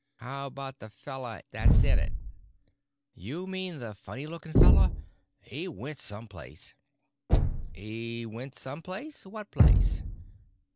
"How about the fella that's in it?" "You mean the funny lookin' fella? He went someplace." "He went someplace? What place?"